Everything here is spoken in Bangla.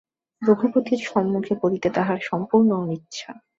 রঘুপতির সম্মুখে পড়িতে তাঁহার সম্পূর্ণ অনিচ্ছা।